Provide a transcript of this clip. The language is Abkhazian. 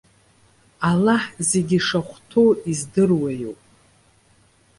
Аллаҳ зегьы ишахәҭоу издыруа иоуп.